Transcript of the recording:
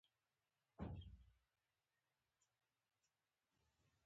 په ناپوهۍ کې د هغې پراختیا سره مرسته کوي.